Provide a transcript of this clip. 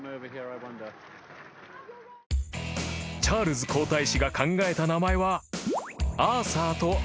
［チャールズ皇太子が考えた名前は］